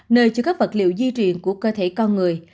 nơi chứa các vật liệu di truyền của cơ thể con người